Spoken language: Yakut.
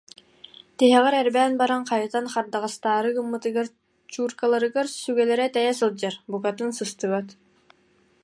Тиһэҕэр эрбээн баран, хайытан хардаҕастаары гыммытыгар чууркаларыгар сүгэлэрэ тэйэ сылдьар, букатын сыстыбат